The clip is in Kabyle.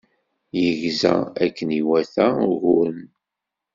Yegza akken iwata uguren.